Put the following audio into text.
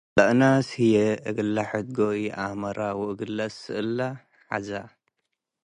ለእናስ ህይ እግለ ሕድጎ ይአመረ ወእግል ለአስ'እለ ሐዘ።